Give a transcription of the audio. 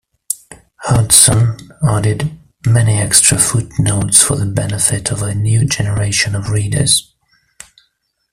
Hudson added many extra footnotes for the benefit of a new generation of readers.